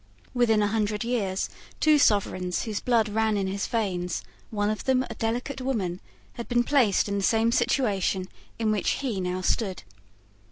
Within a hundred years, two sovereigns whose blood ran in his veins, one of them a delicate woman, had been placed in the same situation in which he now stood.